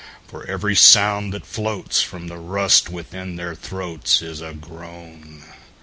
For every sound that floatsFrom the rust within their throatsIs a groan.